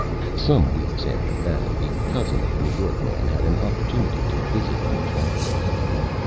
Some Weeks after that, the Cousin of the New York Man had an Opportunity to visit the Metropolis.